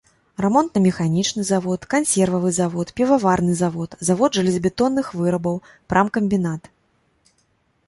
Рамонтна-механічны завод, кансервавы завод, піваварны завод, завод жалезабетонных вырабаў, прамкамбінат.